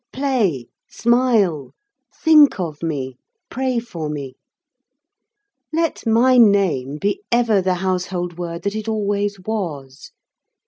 Play, smile, think of me, pray for me. Let my name be ever the household word that it always was.